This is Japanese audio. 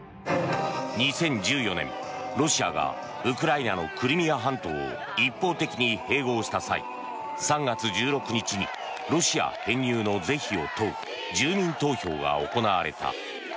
２０１４年、ロシアがウクライナのクリミア半島を一方的に併合した際３月１６日にロシア編入の是非を問う住民投票が行われた。